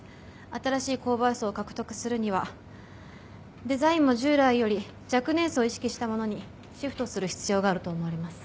新しい購買層を獲得するにはデザインも従来より若年層を意識したものにシフトする必要があると思われます。